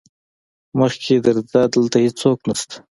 مخکې درځه دلته هيڅوک نشته.